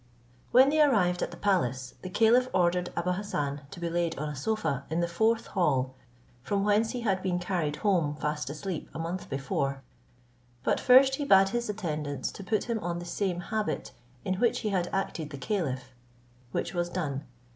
When they arrived at the palace, the caliph ordered Abou Hassan to be laid on a sofa, in the fourth hall, from whence he had been carried home fast asleep a month before; but first he bade the attendants to put him on the same habit in which he had acted the caliph, which was done.